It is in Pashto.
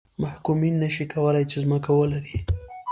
محکومین نه شي کولای چې ځمکه ولري.